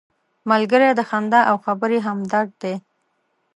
ملګری د خندا او خبرې همدرد دی